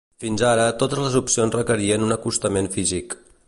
Fins ara, totes les opcions requerien un acostament físic